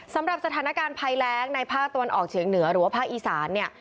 สำหรับสถานการณ์ภัยแรงในภาคตะวันออกเฉียงเหนือหรือว่าภาคอีสานเนี่ย